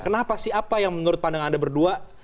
kenapa sih apa yang menurut pandangan anda berdua